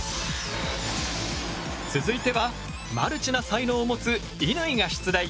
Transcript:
続いてはマルチな才能を持つ乾が出題！